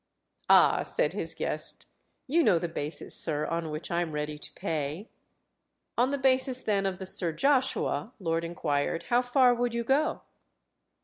"Ah," said his guest, "you know the basis, sir, on which I'm ready to pay." "On the basis then of the Sir Joshua," Lord John inquired, "how far would you go?"